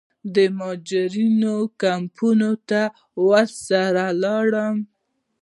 د مهاجرینو کمپونو ته ورسره ولاړم.